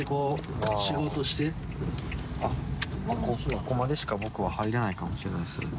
ここまでしか僕は入れないかもしれないですね。